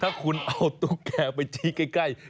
ถ้าคุณเอาตุ๊กแก่ไปชี้ใกล้